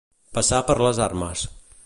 Passar per les armes.